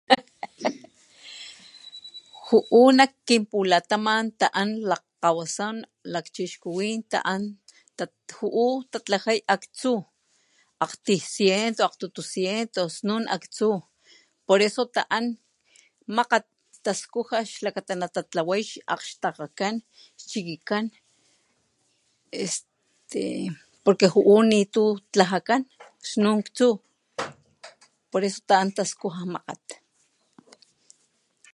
Ju'u nak kinpulataman taan lakgkgawasan lakgkgawasan lakchixkuwin taan juu tatlajay aktsu akgtiy ciento akgtutu ciento snun aktsu por eso taan makgat taskuaj xlakata tatlway xakgtakgakan chikikan este porque ju'u nitu tlajakan snun aktsu por eso taan taskuja makgat.